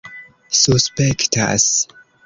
suspektas